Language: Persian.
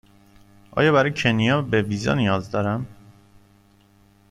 آیا برای کنیا به ویزا نیاز دارم؟